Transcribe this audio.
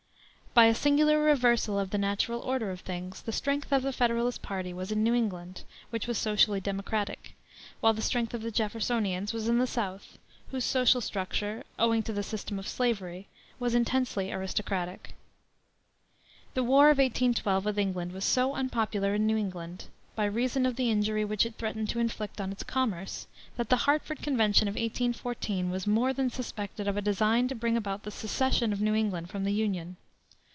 By a singular reversal of the natural order of things the strength of the Federalist party was in New England, which was socially democratic, while the strength of the Jeffersonians was in the South, whose social structure owing to the system of slavery was intensely aristocratic. The war of 1812 with England was so unpopular in New England, by reason of the injury which it threatened to inflict on its commerce, that the Hartford Convention of 1814 was more than suspected of a design to bring about the secession of New England from the Union.